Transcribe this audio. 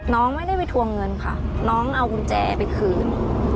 น้องไม่ได้ไปทวงเงินค่ะน้องเอากุญแจไปคืน